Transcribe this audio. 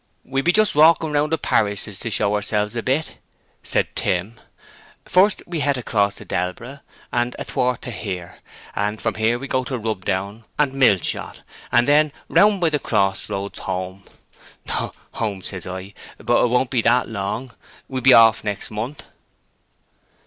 "We be just walking round the parishes to show ourselves a bit," said Tim. "First we het across to Delborough, then athwart to here, and from here we go to Rubdown and Millshot, and then round by the cross roads home. Home says I, but it won't be that long! We be off next month."